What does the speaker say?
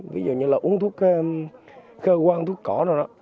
ví dụ như là uống thuốc khơ quan thuốc cỏ